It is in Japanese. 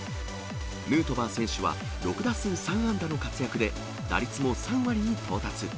ヌートバー選手は、６打数３安打の活躍で、打率も３割に到達。